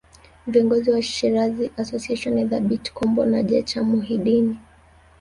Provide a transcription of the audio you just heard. Viongozi wa Shirazi Association ni Thabit Kombo na Jecha Muhidini